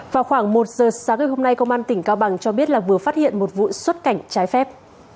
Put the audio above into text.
vào khoảng một giờ sáng ngày hôm nay công an tỉnh cao bằng cho biết là vừa phát hiện một vụ xuất cảnh trái phép